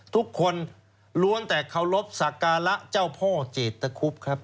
ทุกคนล้วนแต่เคารพสักการะเจ้าพ่อเจตคุบครับ